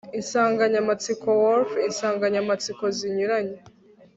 insanganyamatsiko woof insanganyamatsiko zinyuranye